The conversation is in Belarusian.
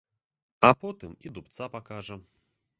А потым і дубца пакажа.